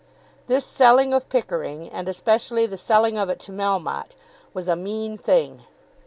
This selling of Pickering, and especially the selling of it to Melmotte, was a mean thing.